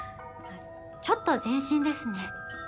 ちょっと前進ですね。